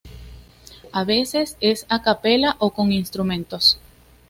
A veces es a capella, o con instrumentos.